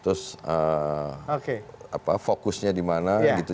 terus fokusnya di mana gitu